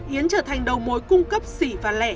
yến trở thành đầu mối cung cấp xỉ và lẻ